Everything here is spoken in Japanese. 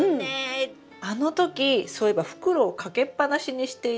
あの時そういえば袋をかけっぱなしにしていて中がビシャビシャ？